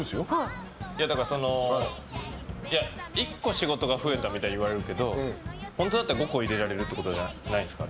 だから１個仕事が増えたみたいに言われるけど本当だったら５個入れられるということじゃないんですか？